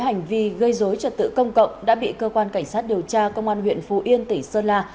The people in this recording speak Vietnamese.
hành vi gây dối trật tự công cộng đã bị cơ quan cảnh sát điều tra công an huyện phú yên tỉ sơn la